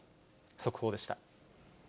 速報でした。